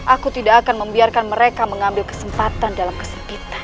aku tidak akan membiarkan mereka mengambil kesempatan dalam kesempitan